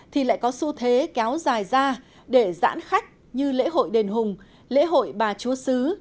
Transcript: thì lại có xu thế kéo dài ra để giãn khách như lễ hội đền hùng lễ hội bà chúa sứ